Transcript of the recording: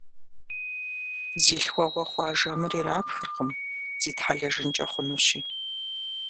Зи лъхуэгъуэ хъуа жэмыр ирапхыркъым, зитхьэлэжынкӀэ хъунущи.